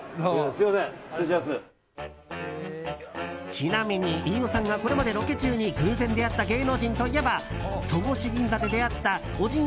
ちなみに、飯尾さんがこれまでロケ中に偶然出会った芸能人といえば戸越銀座で出会ったオジン